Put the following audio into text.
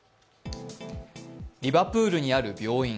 リバプールにある病院。